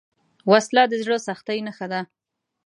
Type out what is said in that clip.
وسله د زړه سختۍ نښه ده